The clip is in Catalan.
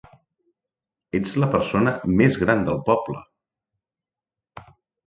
Ets la persona més gran del poble!